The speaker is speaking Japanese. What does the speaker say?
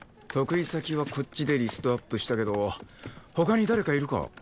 得意先はこっちでリストアップしたけど他に誰かいるか？